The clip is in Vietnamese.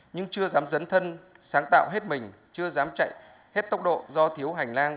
nhưng chưa dám dấn thân sáng tạo hết mình chưa dám chạy hết tốc độ do thiếu hành lang